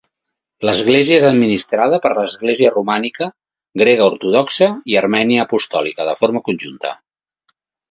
L'església és administrada per l'església romànica, grega ortodoxa i armènia apostòlica de forma conjunta.